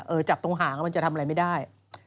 จับตรงหางมันจะทำอะไรไม่ได้